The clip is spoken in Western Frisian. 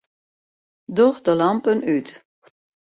Doch de lampen út.